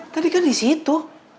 tadi kan disitu